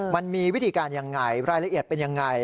มันมีวิธีการยังไงรายละเอียดเป็นยังไง